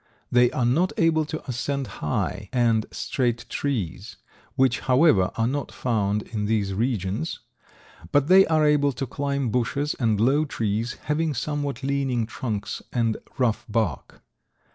They are not able to ascend high and straight trees, which, however, are not found in these regions, but they are able to climb bushes and low trees, having somewhat leaning trunks and rough bark.